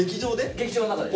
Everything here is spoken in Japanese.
劇場の中で。